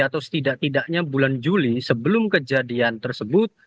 atau setidak tidaknya bulan juli sebelum kejadian tersebut